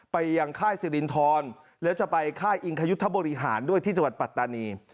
ไปยังค่ายสิรินทรแล้วจะไปค่ายอิงคยุทธบริหารด้วยที่จังหวัดปัตตานี